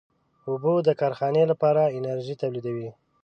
اوبه د کارخانې لپاره انرژي تولیدوي.